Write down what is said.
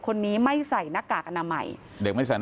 คนนี้ไม่ใส่หน้ากากอนามัย